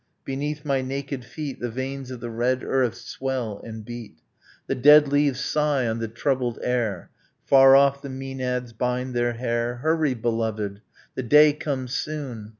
Beneath my naked feet The veins of the red earth swell and beat. The dead leaves sigh on the troubled air, Far off the maenads bind their hair. ... Hurry, beloved! the day comes soon.